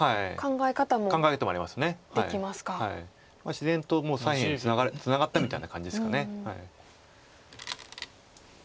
自然ともう左辺ツナがったみたいな感じですか。